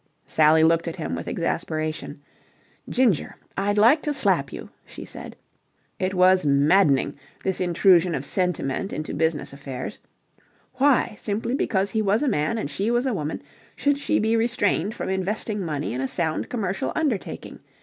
Sally looked at him with exasperation. "Ginger, I'd like to slap you," she said. It was maddening, this intrusion of sentiment into business affairs. Why, simply because he was a man and she was a woman, should she be restrained from investing money in a sound commercial undertaking?